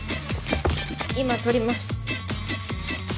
今取ります。